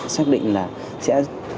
xác định là sẽ